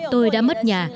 tôi đã mất nhà